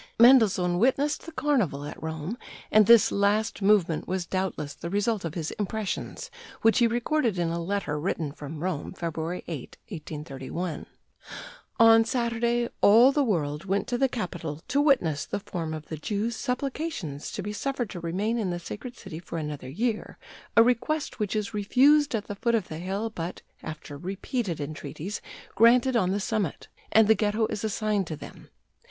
" Mendelssohn witnessed the Carnival at Rome, and this last movement was doubtless the result of his impressions, which he recorded in a letter written [from Rome] February 8, 1831: "On Saturday all the world went to the Capitol to witness the form of the Jews' supplications to be suffered to remain in the Sacred City for another year, a request which is refused at the foot of the hill, but, after repeated entreaties, granted on the summit, and the Ghetto is assigned to them.